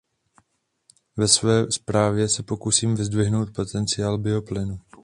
Ve své zprávě se pokusím vyzdvihnout potenciál bioplynu.